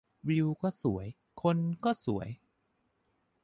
วิวก็สวย คนก็สวย